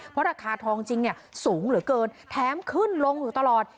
เพราะราคาทองจริงสูงเหลือเกินแถมขึ้นลงอยู่ตลอด